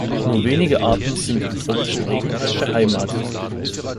Nur wenige Arten sind im tropischen Regenwald beheimatet.